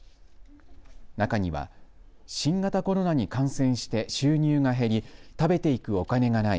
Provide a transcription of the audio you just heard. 中には新型コロナに感染して収入が減り、食べていくお金がない。